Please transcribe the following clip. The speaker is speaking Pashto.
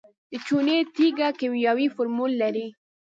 د چونې تیږه کیمیاوي فورمول لري.